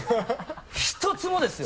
ひとつもですよ！